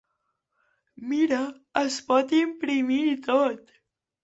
Mira, es pot imprimir i tot.